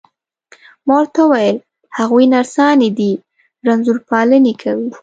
ما ورته وویل: هغوی نرسانې دي، رنځور پالني کوي.